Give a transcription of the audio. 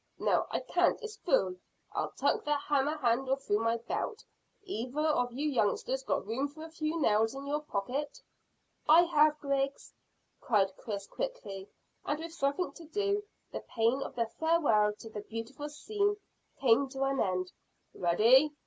No, I can't; it's full. I'll tuck the hammer handle through my belt. Either of you youngsters got room for a few nails in your pocket?" "I have, Griggs," cried Chris quickly, and, with something to do, the pain of the farewell to the beautiful scene came to an end. "Ready?"